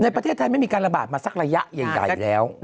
ประเทศไทยไม่มีการระบาดมาสักระยะใหญ่แล้ว